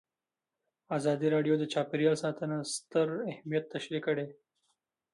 ازادي راډیو د چاپیریال ساتنه ستر اهميت تشریح کړی.